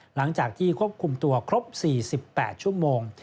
หลังจากที่ควบคุมตัวครบ๔๘ชั่วโมง